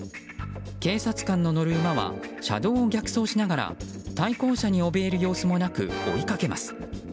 警察官の乗る馬は車道を逆走しながら対向車におびえる様子もなく追いかけます。